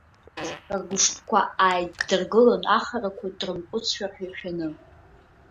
Ргәышԥқәа ааиддыргылон ахрақәа, дрымҟәыҵшәар ҳәа ишәаны.